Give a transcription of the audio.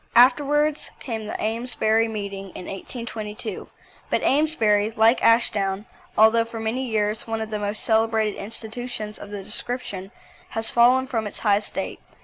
Afterwards came the Amesbury Meeting in 1822, but Amesbury, like Ashdown, although for many years one of the most celebrated institutions of the description, has fallen from its high estate.